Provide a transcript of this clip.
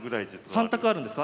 ３択あるんですか？